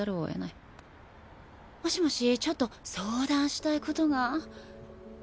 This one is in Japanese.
もしもしちょっと相談したいことが。